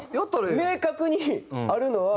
明確にあるのは。